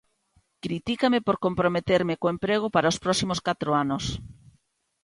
Critícame por comprometerme co emprego para os próximos catro anos.